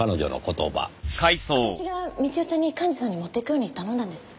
私が美知代ちゃんに幹事さんに持っていくように頼んだんです。